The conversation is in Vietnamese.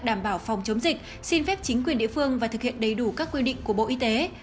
đảm bảo phòng chống dịch xin phép chính quyền địa phương và thực hiện đầy đủ các quy định của bộ y tế